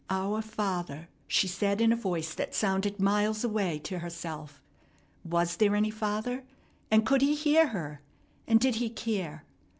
"Our Father," she said in a voice that sounded miles away to herself. Was there any Father, and could He hear her? And did He care?